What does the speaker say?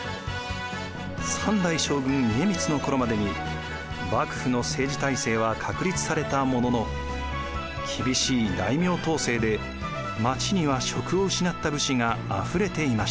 ３代将軍・家光の頃までに幕府の政治体制は確立されたものの厳しい大名統制で町には職を失った武士があふれていました。